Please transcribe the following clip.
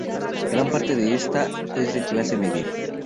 Gran parte de esta es de clase media.